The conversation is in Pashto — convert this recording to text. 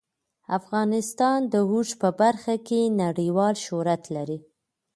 افغانستان د اوښ په برخه کې نړیوال شهرت لري.